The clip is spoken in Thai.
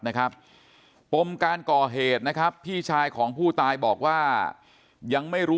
นะครับปมการก่อเหตุนะครับพี่ชายของผู้ตายบอกว่ายังไม่รู้